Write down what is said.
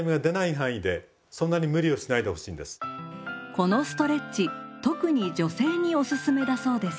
このストレッチ特に女性におすすめだそうです。